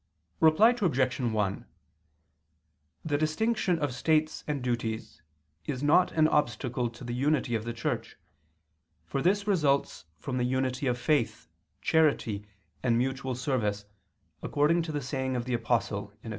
Reply Obj. 1: The distinction of states and duties is not an obstacle to the unity of the Church, for this results from the unity of faith, charity, and mutual service, according to the saying of the Apostle (Eph.